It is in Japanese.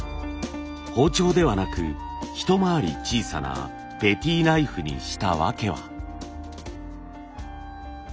包丁ではなく一回り小さなペティナイフにした訳は。